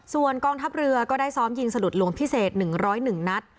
ส่วนกล้องทัพเรือก็ได้ซ้อมยิงสลุดหลวงพิเศษหนึ่งร้อยหนึ่งนัด